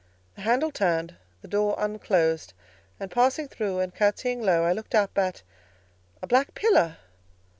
The handle turned, the door unclosed, and passing through and curtseying low, I looked up at—a black pillar!